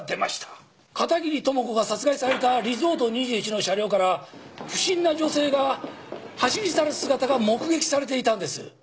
片桐朋子が殺害されたリゾート２１の車両から不審な女性が走り去る姿が目撃されていたんです。